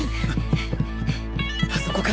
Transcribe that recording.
あそこか！